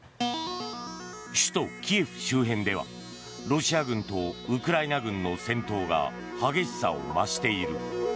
首都キエフ周辺ではロシア軍とウクライナ軍の戦闘が激しさを増している。